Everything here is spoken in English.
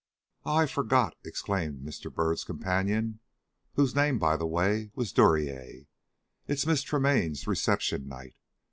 "Ah, I forgot," exclaimed Mr. Byrd's companion, whose name, by the way, was Duryea. "It is Miss Tremaine's reception night.